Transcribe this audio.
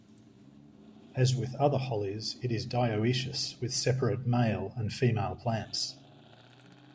As with other hollies, it is dioecious with separate male and female plants.